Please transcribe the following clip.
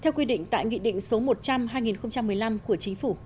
theo quy định tại nghị định số một trăm linh hai nghìn một mươi năm